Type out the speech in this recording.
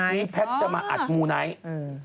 วันศุกร์นี้แพทย์จะมาอัดมูไนท์